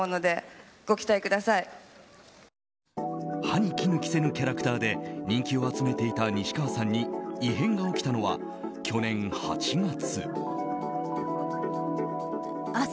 歯に衣着せぬキャラクターで人気を集めていた西川さんに異変が起きたのは、去年８月。